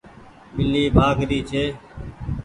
ٻلي ڀآگ ري ڇي۔